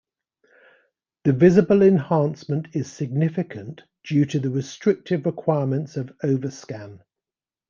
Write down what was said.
The visible enhancement is significant due to the restrictive requirements of overscan.